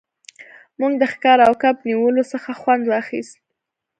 موږ د ښکار او کب نیولو څخه خوند واخیست